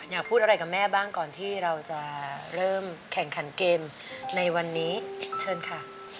อยากพูดอะไรกับแม่บ้างก่อนที่เราจะเริ่มแข่งขันเกมในวันนี้เชิญค่ะ